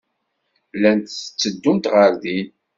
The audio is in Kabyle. Llant tteddunt ɣer din.